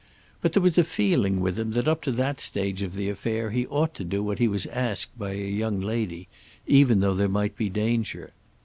But there was a feeling with him that up to that stage of the affair he ought to do what he was asked by a young lady, even though there might be danger.